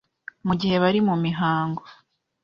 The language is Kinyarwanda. mu gihe bari mu mihango